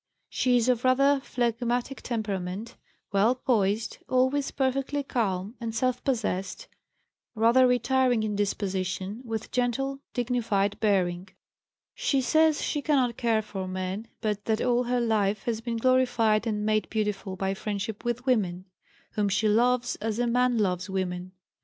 She is of rather phlegmatic temperament, well poised, always perfectly calm and self possessed, rather retiring in disposition, with gentle, dignified bearing. She says she cannot care for men, but that all her life has been "glorified and made beautiful by friendship with women," whom she loves as a man loves women.